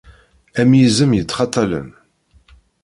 Am yizem yettxatalen.